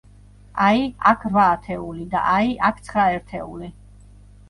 აი, აქ რვა ათეული და, აი, აქ ცხრა ერთეული.